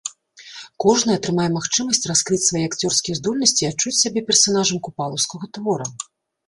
Кожны атрымае магчымасць раскрыць свае акцёрскія здольнасці і адчуць сябе персанажам купалаўскага твора.